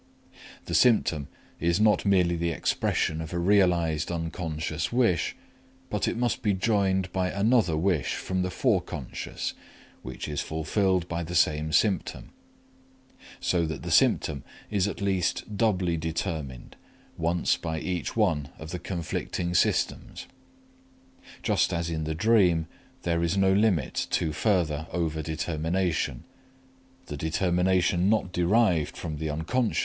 The symptom is not merely the expression of a realized unconscious wish, but it must be joined by another wish from the foreconscious which is fulfilled by the same symptom; so that the symptom is at least doubly determined, once by each one of the conflicting systems. Just as in the dream, there is no limit to further over determination. The determination not derived from the Unc.